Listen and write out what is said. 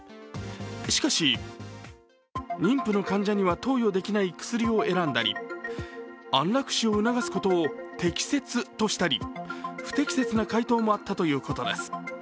しかし、妊婦の患者には投与できない薬を選んだり安楽死を促すことを適切としたり、不適切な回答もあったということです。